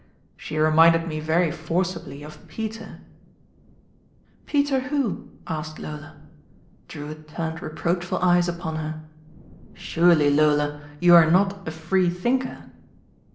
She reminded me very forcibly of Peter "Peter who?" asked Lola. Drewitt turned reproachful eyes upon her. "Surely, Lola, you are not a Free Thinker?"